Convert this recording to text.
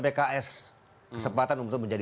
pks kesempatan untuk menjadi